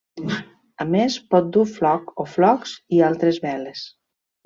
A més pot dur floc o flocs i altres veles.